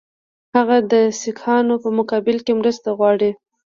هغه د سیکهانو په مقابل کې مرسته وغواړي.